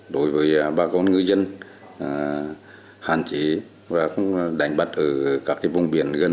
đối với bà con ngư dân hạn chế và không đánh bắt ở các vùng biển gần